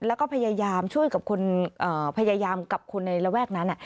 แล้วก็พยายามช่วยกับคนพยายามกับคนในระแวกนั้น